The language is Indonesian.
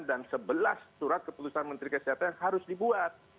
dan sebelas surat keputusan menteri kesehatan yang harus dibuat